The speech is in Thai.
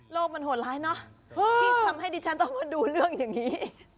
มันโหดร้ายเนอะที่ทำให้ดิฉันต้องมาดูเรื่องอย่างนี้